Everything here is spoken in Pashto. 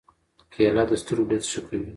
کېله د سترګو لید ښه کوي.